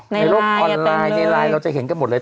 ในโลกออนไลน์ในไลน์เราจะเห็นกันหมดเลย